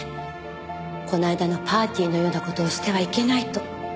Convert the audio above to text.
この間のパーティーのような事をしてはいけないと。